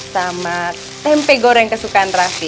sama tempe goreng kesukaan rasi